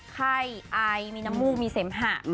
ไข้อายมีน้ำมูกมีเสมหะ